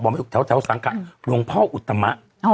บอกมาแถวสังกะหลวงพ่ออุตมะ